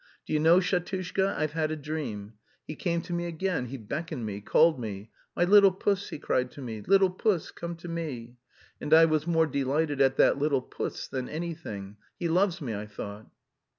Do you know, Shatushka, I've had a dream: he came to me again, he beckoned me, called me. 'My little puss,' he cried to me, 'little puss, come to me!' And I was more delighted at that 'little puss' than anything; he loves me, I thought."